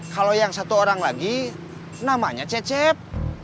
kalau yang satu orang lagi namanya cecep